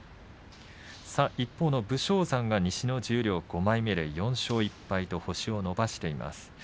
一方の武将山が西の十両５枚目で４勝１敗と、星を伸ばしています。